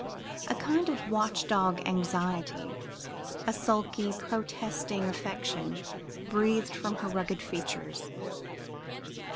A kind of watch dog anxiety, a sulky, protesting affection breathed from her rugged features.